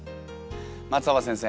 松尾葉先生